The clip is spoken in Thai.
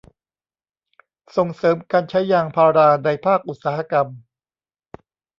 ส่งเสริมการใช้ยางพาราในภาคอุตสาหกรรม